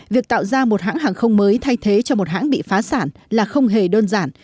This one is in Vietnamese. việc tạo ra một hãng hàng không mới thay thế cho một hãng bị phá sản là không hề đơn giản